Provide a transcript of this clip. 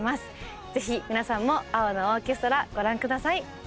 ぜひ皆さんも「青のオーケストラ」ご覧下さい。